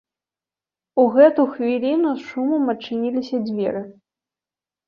У гэту хвіліну з шумам адчыніліся дзверы.